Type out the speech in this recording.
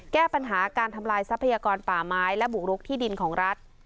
แก้ปัญหาการทำลายทรัพยากรป่าไม้และบุกรุกที่ดินของรัฐ